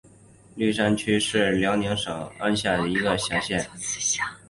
立山区是辽宁省鞍山市下辖的一个市辖区。